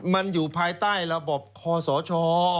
มันอยู่ภายใต้ระบบคอสช